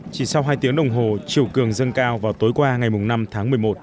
chỉ sau hai tiếng đồng hồ chiều cường dâng cao vào tối qua ngày năm tháng một mươi một